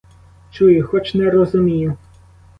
Чую, хоч не розумію.